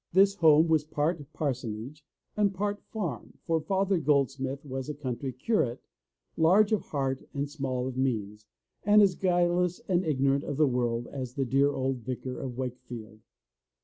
This home was part parsonage and part farm for Father Goldsmith was a country curate, large of heart and small of means, and as guileless and ignorant of the world as the dear old Vicar of Wakefield.